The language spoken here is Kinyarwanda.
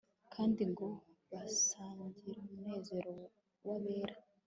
kandi ngo basangirumunezero wabera